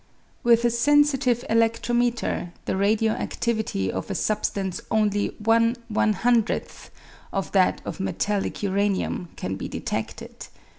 With a sensitive eledrometer the radio adivity of a sub stance only ,^5 of that of metallic uranium can be deteded.